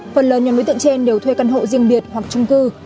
phần lớn nhóm đối tượng trên đều thuê căn hộ riêng biệt hoặc trung cư